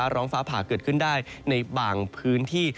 ร้องฟ้าผ่าเกิดขึ้นได้ในบางพื้นที่